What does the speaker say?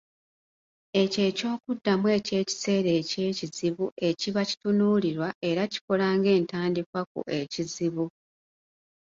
Eky’ekyokuddamu eky’ekiseera eky’ekizibu ekiba kitunuulirwa era kikola ng’entandikwa ku ekizibu.